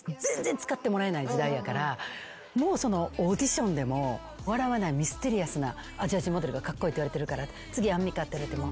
もうオーディションでも笑わないミステリアスなアジア人モデルがカッコイイっていわれてるから「次アンミカ」って言われても。